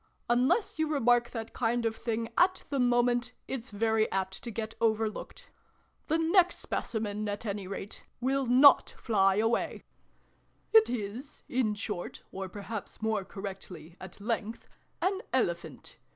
Unless you remark that kind of thing at the moment, it's very apt to get over looked ! The next Specimen, at any rate, will 334 SYLVIE AND BRUNO CONCLUDED. not fly away! It is in short, or perhaps, more correctly, at length an Elephant.